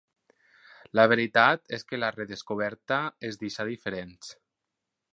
La veritat és que la redescoberta ens deixà diferents.